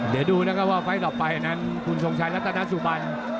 เดี๋ยวดูนะครับว่าไฟล์ต่อไปนั้นคุณทรงชัยรัตนสุบัน